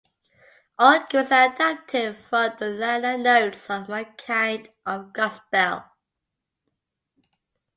All credits are adapted from the liner notes of "My Kind of Gospel".